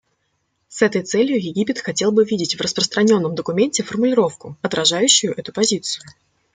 С этой целью Египет хотел бы видеть в распространенном документе формулировку, отражающую эту позицию.